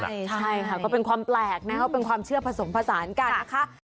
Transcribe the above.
ใช่ค่ะก็เป็นความแปลกนะครับเป็นความเชื่อผสมผสานกันนะคะ